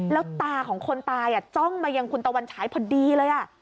แล้วตาของคนตายอะจ้อมจ้องมาอย่างคุณตะวันฉายเพราะดีเลย